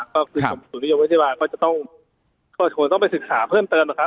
ก็คือกรมบุตุนิยมวิทยาบาลก็จะต้องควรต้องไปศึกษาเพิ่มเติมนะครับ